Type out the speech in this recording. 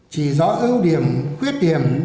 chỉ rõ ưu điểm khuyết điểm